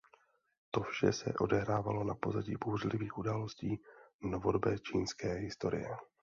To vše se odehrávalo na pozadí bouřlivých událostí novodobé čínské historie.